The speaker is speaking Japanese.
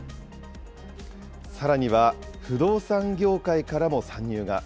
さらには不動産業界からも参入が。